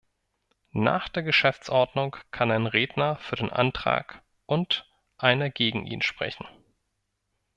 Nach der Geschäftsordnung kann ein Redner für den Antrag und einer gegen ihn sprechen.